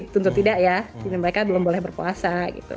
tentu tidak ya mereka belum boleh berpuasa